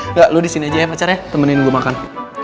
enggak lo disini aja ya pacar ya temenin gue makan